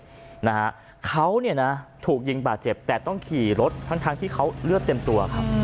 นะฮะเขาเนี่ยนะถูกยิงบาดเจ็บแต่ต้องขี่รถทั้งทั้งที่เขาเลือดเต็มตัวครับ